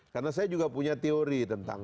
karena saya juga punya teori tentang